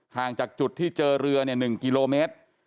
ห่างจากจุดที่เจอเรือ๑กิโลเมตร